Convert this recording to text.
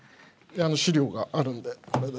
資料があるんでこれで。